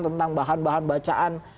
tentang bahan bahan bacaan